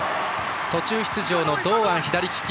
途中出場の堂安は左利き。